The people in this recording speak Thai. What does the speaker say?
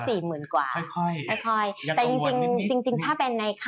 พี่หนิงครับส่วนตอนนี้เนี่ยนักลงทุนอยากจะลงทุนแล้วนะครับเพราะว่าระยะสั้นรู้สึกว่าทางสะดวกนะครับ